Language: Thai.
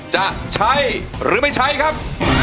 จะใช้หรือไม่ใช้ครับ